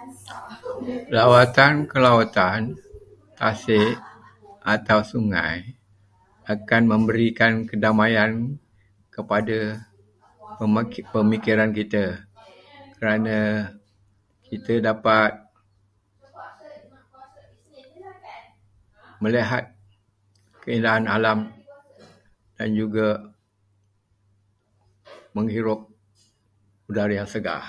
Lawatan-lawatan ke tasik atau sungai akan memberikan kedamaian kepada pemikiran kita kerana kita dapat melihat keindahan alam dan juga menghirup udara yang segar.